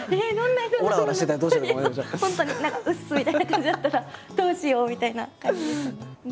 何か「ウッス」みたいな感じだったらどうしようみたいな感じでしたね。